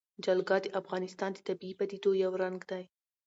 جلګه د افغانستان د طبیعي پدیدو یو رنګ دی.